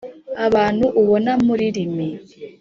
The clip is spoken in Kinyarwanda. Abantu ubona muri limi .